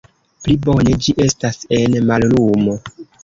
Pli bone ĝi estas en mallumo.